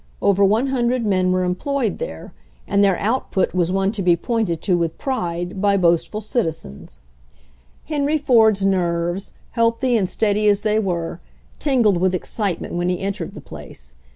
Over one hundred men were employed there, and their output was one to be pointed to with pride by boastful citizens. Henry Ford's nerves, healthy and steady as THE FIRST JOB 17 they were, tingled with excitement when he en tered the place.